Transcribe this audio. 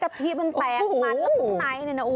กะทิมันแปลกมันแล้วข้างใน